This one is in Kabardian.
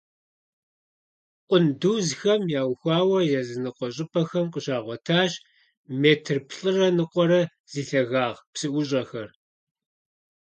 Къундузхэм яухуауэ языныкъуэ щӀыпӀэхэм къыщагъуэтащ метр плӀырэ ныкъуэрэ зи лъагагъ псыӀущӀэхэр.